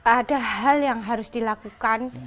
ada hal yang harus dilakukan